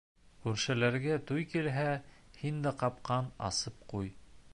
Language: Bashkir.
Күршеләргә туй килһә, һин дә ҡапҡаң асып ҡуй.